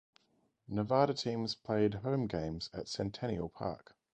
Nevada teams played home games at Centennial Park.